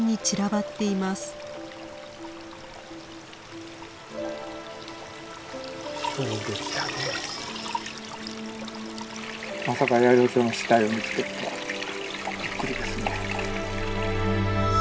びっくりですね。